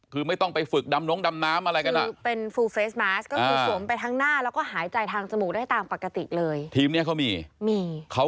คือไม่ต้องไปฝึกดำนงดำน้ำอะไรกัน